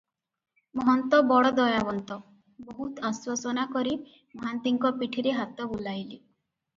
ମହନ୍ତ ବଡ଼ ଦୟାବନ୍ତ, ବହୁତ ଆଶ୍ୱାସନା କରି ମହାନ୍ତିଙ୍କ ପିଠିରେ ହାତ ବୁଲାଇଲେ ।